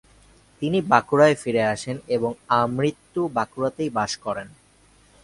তিনি বাঁকুড়ায় ফিরে আসেন এবং আমৃত্যু বাঁকুড়াতেই বাস করেন।